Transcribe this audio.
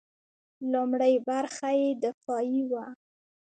لومړۍ برخه یې دفاعي وه.